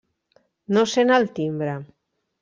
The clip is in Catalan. No sent el timbre.